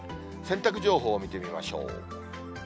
洗濯情報を見てみましょう。